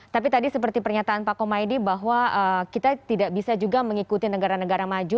tapi tadi seperti pernyataan pak komaydi bahwa kita tidak bisa juga mengikuti negara negara maju